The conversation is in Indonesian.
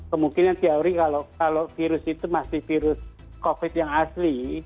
kemungkinan teori kalau virus itu masih virus covid yang asli